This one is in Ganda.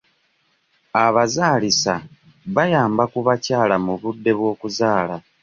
Abazaalisa bayamba ku bakyala mu budde bw'okuzaala.